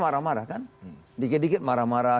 marah marah kan dikit dikit marah marah